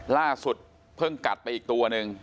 ล่าสุดเพิ่งกัดไปอีกตัวหนึ่ง